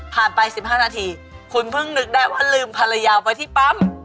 ไป๑๕นาทีคุณเพิ่งนึกได้ว่าลืมภรรยาไปที่ปั๊ม